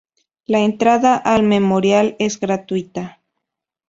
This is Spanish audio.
La entrada al memorial es gratuita.